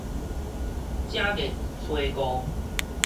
正月初五